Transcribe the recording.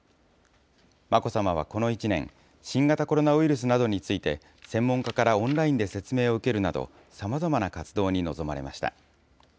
眞子さまはこの１年、新型コロナウイルスなどについて、専門家からオンラインで説明を受けるなど、さまざまな活動に臨まれました。